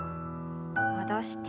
戻して。